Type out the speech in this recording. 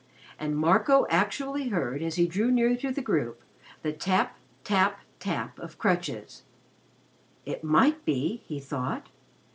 And Marco actually heard, as he drew near to the group, the tap tap tap of crutches. "It might be," he thought.